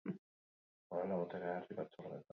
Gauza bera gerta liteke bi aste barru ere.